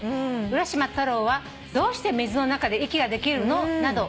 「『浦島太郎はどうして水の中で息ができるの？』など」